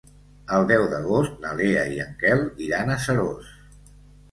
El deu d'agost na Lea i en Quel iran a Seròs.